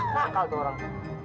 nakal tuh orang